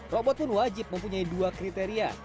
robot pun wajib mempunyai dua kriteria